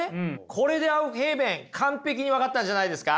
これでアウフヘーベン完璧に分かったんじゃないですか？